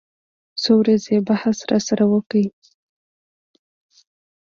څو ورځې يې بحث راسره وکو.